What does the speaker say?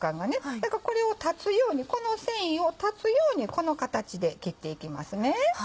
だからこれを断つようにこの繊維を断つようにこの形で切っていきますね。